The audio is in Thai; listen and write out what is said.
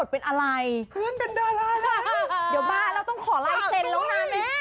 เดี๋ยวมาเราต้องขอไลน์เซ็นต์แล้วนะแม่